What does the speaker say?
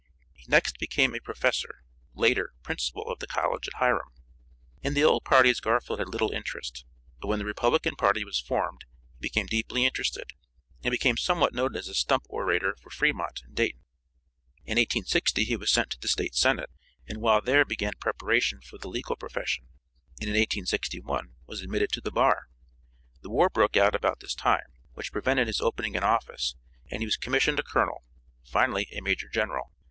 He next became a professor; later, principal of the college at Hiram. In the old parties Garfield had little interest, but when the Republican party was formed he became deeply interested, and became somewhat noted as a stump orator for Fremont and Dayton. In 1860 he was sent to the State senate, and while there began preparation for the legal profession, and in 1861 was admitted to the bar. The war broke out about this time, which prevented his opening an office, and he was commissioned a colonel, finally a major general.